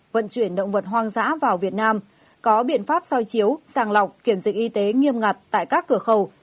vận chuyển động vật hoang dã vào việt nam có biện pháp soi chiếu sàng lọc kiểm dịch y tế nghiêm ngặt tại các cửa khẩu